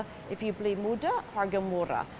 jika kamu beli muda harga murah